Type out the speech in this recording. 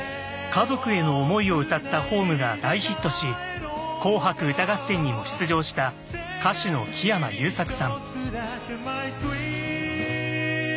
家族への思いを歌った「ｈｏｍｅ」が大ヒットし「紅白歌合戦」にも出場した歌手の木山裕策さん。